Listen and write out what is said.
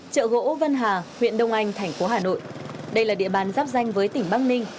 chợ gỗ vân hà huyện đông anh tp hcm đây là địa bàn giáp danh với tỉnh bắc ninh